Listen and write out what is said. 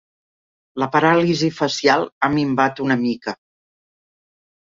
La paràlisi facial ha minvat una mica.